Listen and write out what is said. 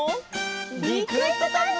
リクエストタイム！